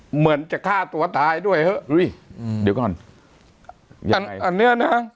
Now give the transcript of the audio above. เหมือนจะฆ่าตัวตายด้วยเถอะอุ้ยอืมเดี๋ยวก่อนอันอันเนี้ยนะ